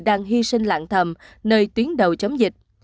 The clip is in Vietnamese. đang hy sinh lạng thầm nơi tuyến đầu chống dịch